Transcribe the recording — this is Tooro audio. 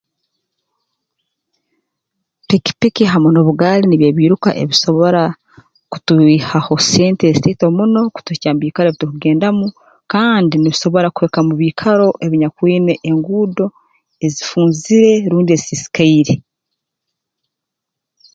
Pikipiki hamu n'obugaali nibyo ebiiruka ebisobora kutwihaho sente ezitiito muno kutuhikya mu biikaro ebi turukugendamu kandi nibisobora kuhika mu biikaro ebinyakwine enguudo ezifunzire rundi ezisiisikaire